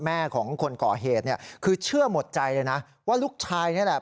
แม่ของคนเกาะเหตุคือเชื่อหมดใจเลยว่าลูกชายนี่แหละ